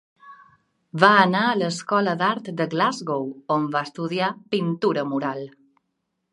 Va anar a l'Escola d'Art de Glasgow, on va estudiar pintura mural.